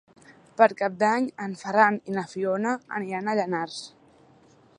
Per Cap d'Any en Ferran i na Fiona aniran a Llanars.